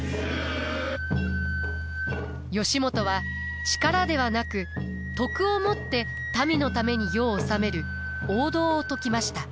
義元は力ではなく徳をもって民のために世を治める王道を説きました。